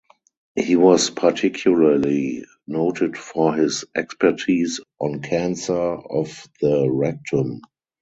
He was particularly noted for his expertise on cancer of the rectum.